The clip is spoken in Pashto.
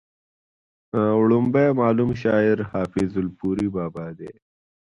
وړومبی معلوم شاعر حافظ الپورۍ بابا دی